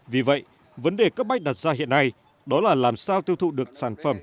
vì vậy vấn đề cấp bách đặt ra hiện nay đó là làm sao tiêu thụ được sản phẩm